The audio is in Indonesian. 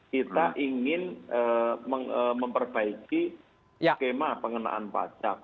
kita ingin memperbaiki skema pengenaan pajak